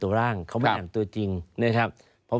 พิมพ์ภาษาตอนอ่านเขาอ่านตัวร่างเขาไม่อ่านตัวจริง